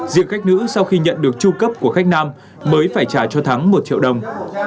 diện khách nữ sau khi nhận được tru cấp của khách nam mới phải trả cho thắng một triệu đồng